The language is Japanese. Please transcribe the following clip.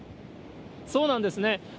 そうなんですね。